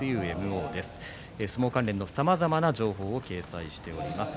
相撲関連のさまざまな情報を掲載しております。